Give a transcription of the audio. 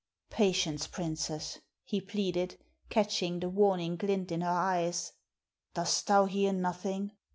Patience, princess," he pleaded, catching the warning glint in her eyes, "dost thou hear nothing?